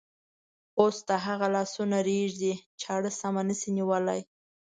اوس د هغه لاسونه رېږدي، چاړه سمه نشي نیولی.